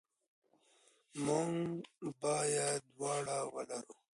موږ باید دواړه ولرو.